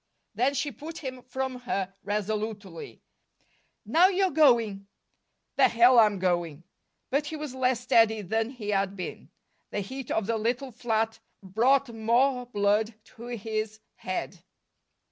Then she put him from her resolutely. "Now you're going." "The hell I'm going!" But he was less steady than he had been. The heat of the little flat brought more blood to his head.